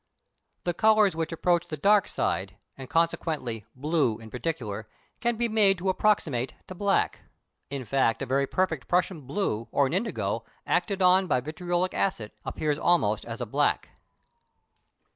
The colours which approach the dark side, and consequently, blue in particular, can be made to approximate to black; in fact, a very perfect Prussian blue, or an indigo acted on by vitriolic acid appears almost as a black.